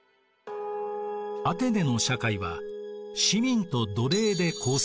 アテネの社会は市民と奴隷で構成されていました。